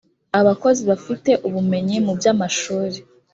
abakozi bafite ubumenyi mu by amashuri